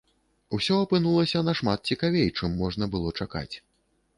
Усё апынулася нашмат цікавей, чым можна было чакаць.